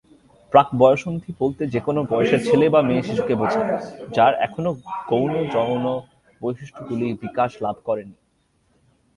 প্রাক-বয়ঃসন্ধি বলতে যেকোনও বয়সের ছেলে বা মেয়ে শিশুকে বোঝায়, যার এখনও গৌণ যৌন বৈশিষ্ট্যগুলি বিকাশ লাভ করেনি।